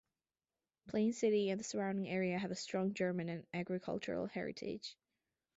Plain City and the surrounding area have a strong German and agricultural heritage.